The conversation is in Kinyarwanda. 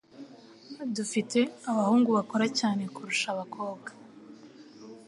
dufite abahungu bakora cyane kurusha abakobwa